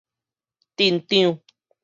鎮長